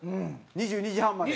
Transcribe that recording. ２２時半まで。